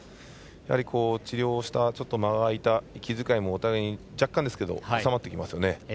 やはり治療をしたちょっと間が空いた気遣いがお互いに若干ですけど収まってきますよね。